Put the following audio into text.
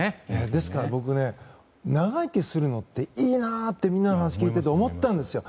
ですから僕長生きするのっていいなって、みんなの話聞いてて思ったんですよ。